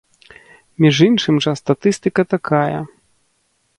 Між іншым жа статыстыка такая.